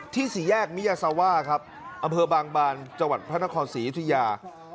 สี่แยกมิยาซาว่าครับอำเภอบางบานจังหวัดพระนครศรียุธยา